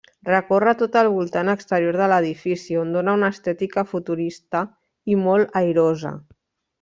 Recorre tot el voltant exterior de l'edifici, on dóna una estètica futurista i molt airosa.